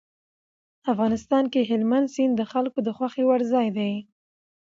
افغانستان کې هلمند سیند د خلکو د خوښې وړ ځای دی.